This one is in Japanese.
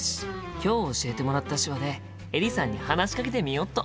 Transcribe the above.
今日教えてもらった手話でエリさんに話しかけてみよっと！